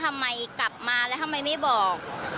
ทำไมกลับมาและไม่บอก